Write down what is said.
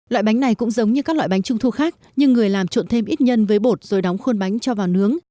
loại bánh này cũng giống như các loại bánh trung thu khác nhưng người làm trộn thêm ít nhân với bột rồi đóng khuôn bánh cho vào nướng